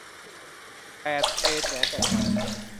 แปด เทรนด์แหวนแต่งงาน